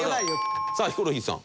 さあヒコロヒーさん。